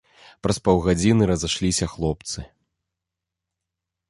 Праз паўгадзіны разышліся хлопцы.